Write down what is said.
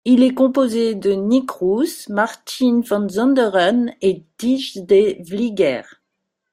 Il est composé de Nik Roos, Martijn van Sonderen et Thijs de Vlieger.